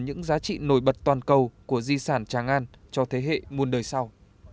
những giá trị nổi bật toàn cầu của di sản trang an cho thế hệ muôn đời sau